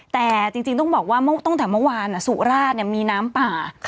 แต่จริงต้องบอกว่าตั้งแต่เมื่อวานสุราชมีน้ำป่า